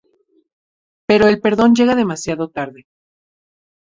Pero el perdón llega demasiado tarde.